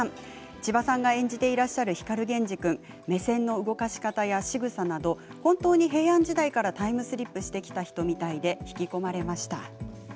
千葉さんが演じていらっしゃる光源氏くん目線の動かし方や、しぐさなど本当に平安時代からタイムスリップしてきた人みたいで引き込まれました。